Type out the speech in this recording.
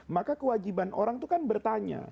maka kewajiban orang itu kan bertanya